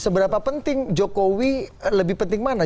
seberapa penting jokowi lebih penting mana